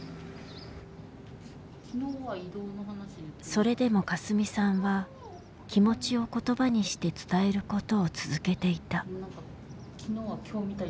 それでもかすみさんは気持ちを言葉にして伝えることを続けていた。